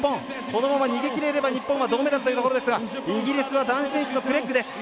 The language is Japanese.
このまま逃げ切れれば、日本は銅メダルというところですがイギリスは男子選手のクレッグです。